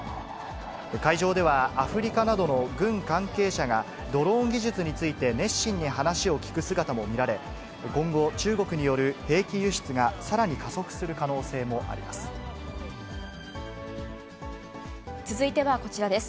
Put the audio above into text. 会場ではアフリカなどの軍関係者が、ドローン技術について熱心に話を聞く姿も見られ、今後、中国による兵器輸出がさらに加速する可能性もあります。